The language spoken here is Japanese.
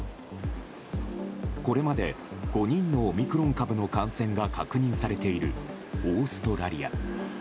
これまで５人のオミクロン株の感染が確認されているオーストラリア。